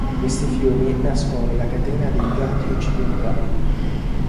Questi fiumi nascono nella catena dei Ghati occidentali.